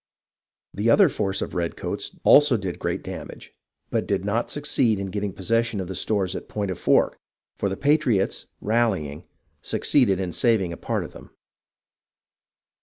The other force of redcoats also did great damage, but did not succeed in getting possession of the stores at Point of Fork, for the patriots, rallying, succeeded in saving a part of them.